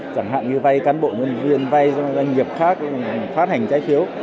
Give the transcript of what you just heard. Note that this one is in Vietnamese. chẳng hạn như vay cán bộ nhân viên vay doanh nghiệp khác phát hành trái phiếu